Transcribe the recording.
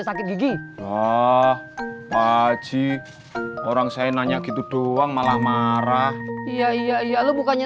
sayang kalau dibuangnya